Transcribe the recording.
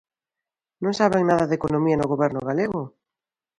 Non saben nada de economía no goberno galego?